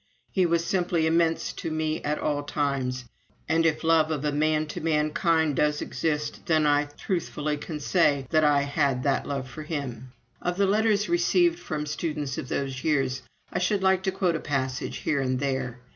He was simply immense to me at all times, and if love of a man to man kind does exist, then I truthfully can say that I had that love for him." Of the letters received from students of those years I should like to quote a passage here and there.